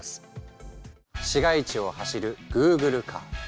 市街地を走るグーグルカー。